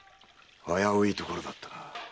危ういところだったな。